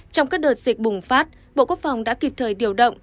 trong các đợt dịch bùng phát bộ quốc phòng đã kịp thời điều động